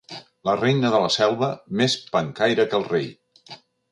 La reina de la selva, més pencaire que el rei.